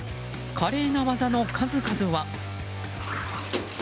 華麗な技の数々は。